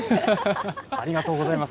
ありがとうございます。